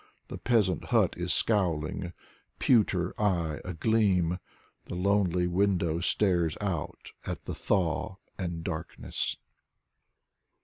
The peasant hut is scowling ; pewter eye agleam, The lonely window stares out at the thaw and darkness.